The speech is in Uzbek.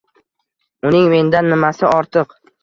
Uning mendan nimasi ortiq?